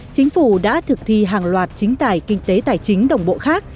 chính phủ đã thực thi hàng loạt chính tài kinh tế tài chính đồng bộ khác